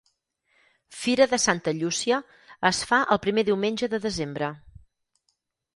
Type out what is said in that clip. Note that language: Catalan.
Fira de Santa Llúcia Es fa el primer diumenge de desembre.